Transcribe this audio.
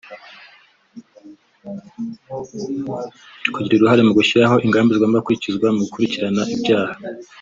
kugira uruhare mu gushyiraho ingamba zigomba gukurikizwa mu gukurikirana ibyaha